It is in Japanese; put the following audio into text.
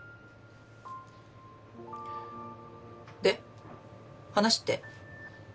で話って？